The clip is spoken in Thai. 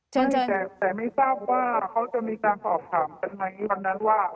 แต่ไม่ทราบว่าเขาจะมีการอธิบายต่อว่างั้นว่า